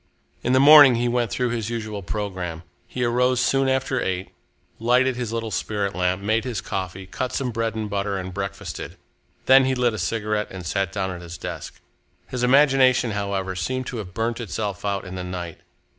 In the morning he went through his usual programme. He arose soon after eight, lighted his little spirit lamp, made his coffee, cut some bread and butter, and breakfasted. Then he lit a cigarette and sat down at his desk. His imagination, however, seemed to have burnt itself out in the night.